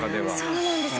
そうなんです。